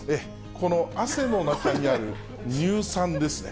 この汗の中にある乳酸ですね。